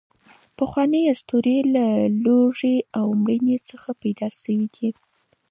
پخوانۍ اسطورې له لوږې او مړینې څخه پیدا شوې دي.